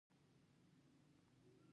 ما وویل: له ناشتې مخکې سلمان راتلای شي؟